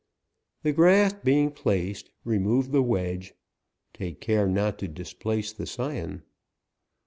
The graft being placed, remove the wedge ; take care not to displace the scion.